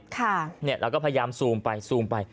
แล้วก็พยายามซูมไปซูมไป